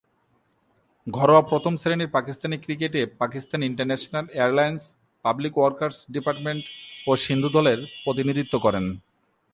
ঘরোয়া প্রথম-শ্রেণীর পাকিস্তানি ক্রিকেটে Pakistan International Airlines, public works department ও সিন্ধু দলের প্রতিনিধিত্ব করেন।